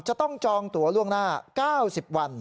จองตัวล่วงหน้า๙๐วัน